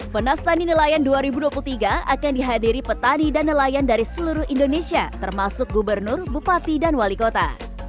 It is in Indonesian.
penas tani nelayan dua ribu dua puluh tiga akan dihadiri petani dan nelayan dari seluruh indonesia termasuk gubernur bupati dan wali kota